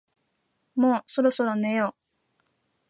もうそろそろ寝よう